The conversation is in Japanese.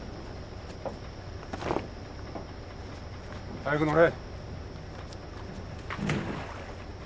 ・早く乗れ。